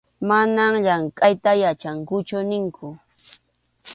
Manam llamkʼayta yachankuchu ninkun.